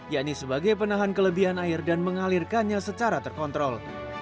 yakni sebagai penahan kelebihan air dan mengalirkannya secara terkontrol